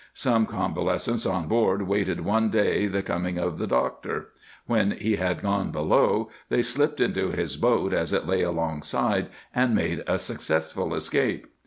Some convalescents on board waited one day the com ing of the doctor ; when he had gone below they slipped into his boat as it lay alongside, and made a successful escape.